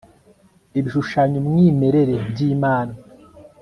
ibishushanyo mwiremeye by imana